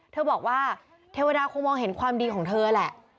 เธอบอกว่าเทวดาคงมองเห็นความดีของเธอแหละ